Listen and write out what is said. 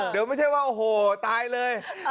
เดี๋ยวไม่ใช่ว่าโอ้โหตายเลย